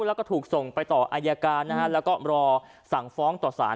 แล้วก็ถูกส่งไปต่ออายการนะฮะแล้วก็รอสั่งฟ้องต่อสาร